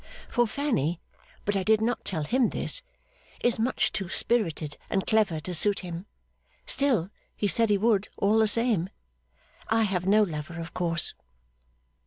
For Fanny (but I did not tell him this) is much too spirited and clever to suit him. Still, he said he would, all the same. I have no lover, of course.